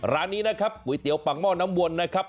ร้านนี้นะครับก๋วยเตี๋ยวปากหม้อน้ำวนนะครับ